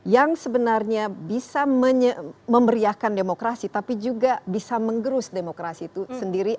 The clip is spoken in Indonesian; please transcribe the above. yang sebenarnya bisa memeriahkan demokrasi tapi juga bisa menggerus demokrasi itu sendiri